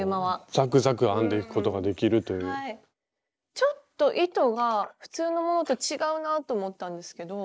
ちょっと糸が普通のものと違うなと思ったんですけど。